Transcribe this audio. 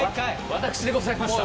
私でございました。